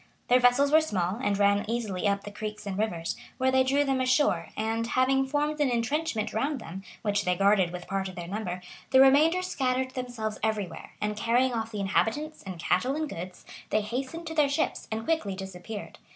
Their vessels were small, and ran easily up the creeks and rivers, where they drew them ashore, and, having formed an intrenchment round them, which they guarded with part of their number, the remainder scattered themselves every where, and carrying off the inhabitants, and cattle, and goods, they hastened to their ships, and quickly disappeared.